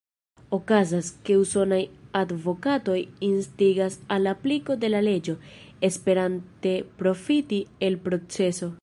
Okazas, ke usonaj advokatoj instigas al apliko de la leĝo, esperante profiti el proceso.